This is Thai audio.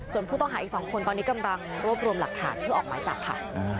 ส่วนผู้ต้องหาอีก๒คนตอนนี้กำลังรวบรวมหลักฐานเพื่อออกหมายจับค่ะ